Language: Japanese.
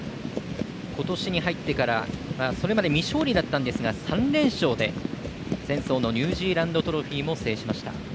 今年に入ってから、それまで未勝利だったんですが３連勝で前走のニュージーランドトロフィーも制しました。